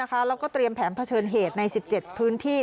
แล้วก็เตรียมแผนเผชิญเหตุใน๑๗พื้นที่